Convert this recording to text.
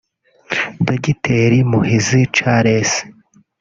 Dogiteri Muhizi Charles